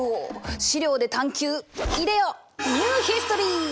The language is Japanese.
資料で探求いでよニューヒストリー！